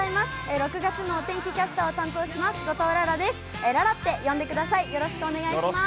６月のお天気キャスターを担当します、後藤楽々です。